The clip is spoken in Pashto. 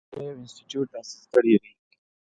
کویلیو یو انسټیټیوټ تاسیس کړی دی.